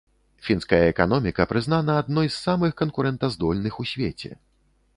Фінская эканоміка прызнана адной з самых канкурэнтаздольных у свеце.